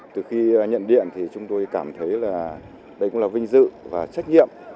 từ khi nhận điện thì chúng tôi cảm thấy là đây cũng là vinh dự và trách nhiệm